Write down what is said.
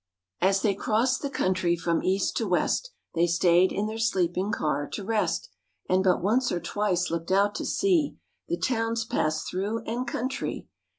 txtUT �( d�( dAs they crossed the country from East to West They stayed in their sleeping car to rest; And but once or twice looked out to see The towns passed through and country.